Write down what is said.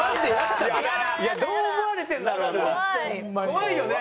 怖いよね。